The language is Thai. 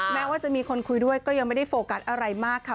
แม้ว่าจะมีคนคุยด้วยก็ยังไม่ได้โฟกัสอะไรมากค่ะ